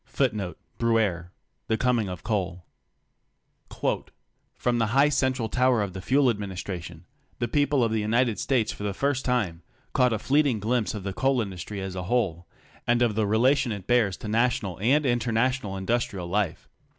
^ "From the high central tower of the Fuel Administra tion the people of the United States for the first time caught a fleeting glimpse of the coal industry as a whole and of the relation it bears to national and international industrial life.